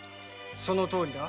そのとおりだ。